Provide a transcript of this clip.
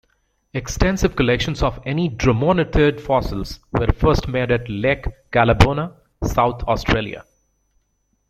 Extensive collections of any dromornithid fossils were first made at Lake Callabonna, South Australia.